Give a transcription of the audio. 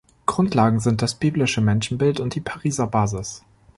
Grundlagen sind das biblische Menschenbild und die Pariser Basis.